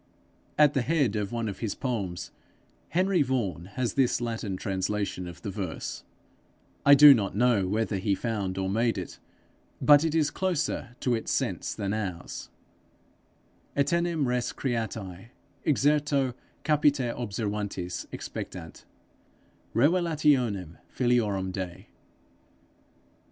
At the head of one of his poems, Henry Vaughan has this Latin translation of the verse: I do not know whether he found or made it, but it is closer to its sense than ours: 'Etenim res creatae exerto capite observantes expectant revelationem filiorum Dei.'